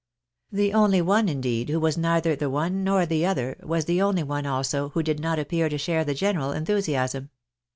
The only one indeed, who was neither the one nor the other, was the only one also who did not appear to share the general enthusiasm.